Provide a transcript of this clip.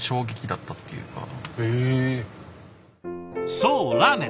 そうラーメン。